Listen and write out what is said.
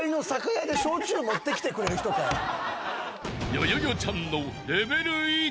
［よよよちゃんの］